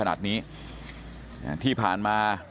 ตรของหอพักที่อยู่ในเหตุการณ์เมื่อวานนี้ตอนค่ำบอกให้ช่วยเรียกตำรวจให้หน่อย